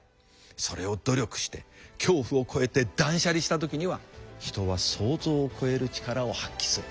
それを努力して恐怖を越えて断捨離した時には人は想像を超える力を発揮する。